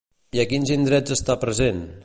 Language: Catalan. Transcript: I a quins indrets està present?